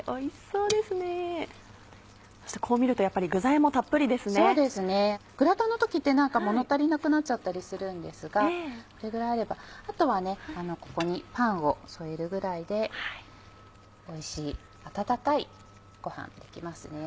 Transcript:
そうですねグラタンの時って何か物足りなくなっちゃったりするんですがこれぐらいあればあとはここにパンを添えるぐらいでおいしい温かいごはんできますね。